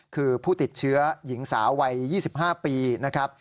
คือผู้ติดเชื้อหญิงสาววัย๒๕ปีนะครับ